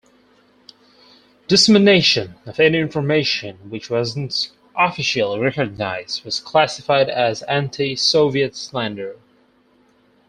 Dissemination of any information which was not officially recognized was classified as "Anti-Soviet slander".